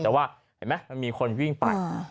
แต่ว่าเห็นไหมมันมีคนวิ่งไป